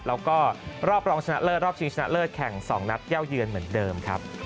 แล้วก็รอบรองชนะเลิศรอบชิงชนะเลิศแข่ง๒นัดเย่าเยือนเหมือนเดิมครับ